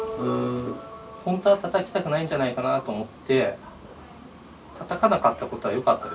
本当はたたきたくないんじゃないかなと思ってたたかなかったことはよかったでしょ？